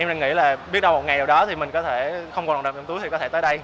em đang nghĩ là biết đâu một ngày nào đó thì mình có thể không còn đồ trong túi thì có thể tới đây